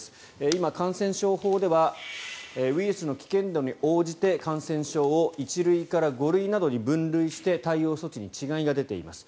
今、感染症法ではウイルスの危険度に応じて感染症を１類から５類などに分類して対応措置に違いが出ています。